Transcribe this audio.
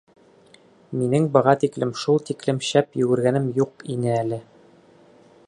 Минең быға тиклем шул тиклем шәп йүгергәнем юҡ ине әле.